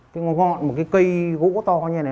cái ngọn một cái cây gỗ to như thế này